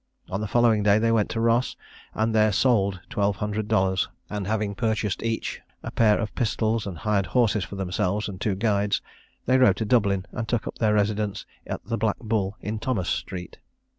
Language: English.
On the following day they went to Ross, and there sold twelve hundred dollars; and, having purchased each a pair of pistols, and hired horses for themselves and two guides, they rode to Dublin, and took up their residence at the Black Bull in Thomas street.